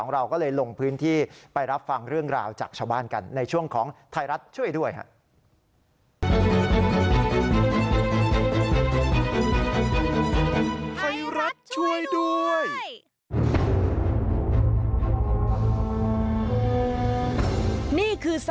เรื่องอะไรใช่